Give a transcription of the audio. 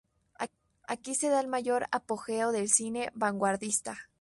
Aquí se da el mayor apogeo del cine vanguardista.